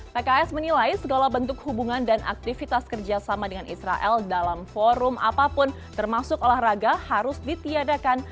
pks menilai segala bentuk hubungan dan aktivitas kerjasama dengan israel dalam forum apapun termasuk olahraga harus ditiadakan